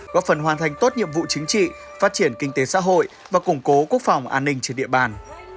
góp phần hoàn thành tốt nhiệm vụ chính trị phát triển kinh tế xã hội và củng cố quốc phòng an ninh trên địa bàn